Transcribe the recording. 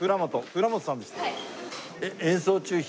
舩本さんです。